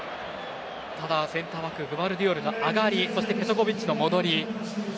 ただ、センターバックグヴァルディオルが上がりそしてペトコヴィッチの戻り。